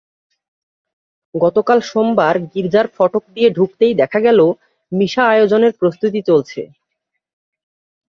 গতকাল সোমবার গির্জার ফটক দিয়ে ঢুকতেই দেখা গেল, মিশা আয়োজনের প্রস্তুতি চলছে।